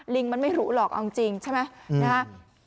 มันไม่รู้หรอกเอาจริงใช่ไหมนะฮะ